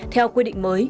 theo quy định mới